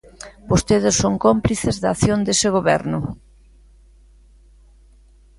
Vostedes son cómplices da acción dese goberno.